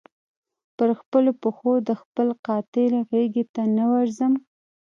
پر خپلو پښو د خپل قاتل غیږي ته نه ورځمه